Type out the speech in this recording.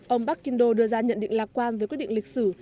ông parkindo đưa ra nhận định lạc quan với quyết định lịch sử